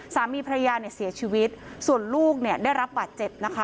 สามีภรรยาเนี่ยเสียชีวิตส่วนลูกเนี่ยได้รับบาดเจ็บนะคะ